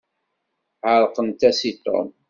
Ɛeṛqent-as i Tom.